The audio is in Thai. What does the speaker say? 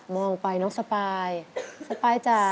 มองไปน้องสปายสปายจ้ะ